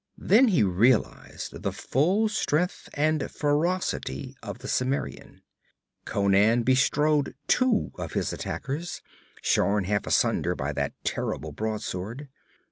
Then he realized the full strength and ferocity of the Cimmerian. Conan bestrode two of his attackers, shorn half asunder by that terrible broadsword.